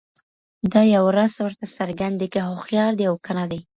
دا یو راز ورته څرګند دی که هوښیار دی او که نه دی